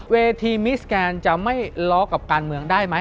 เวทีมิสแกนจะไม่ล้อกับการเมืองได้ไหม